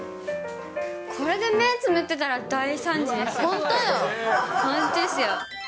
これで目つぶってたら大惨事本当よ。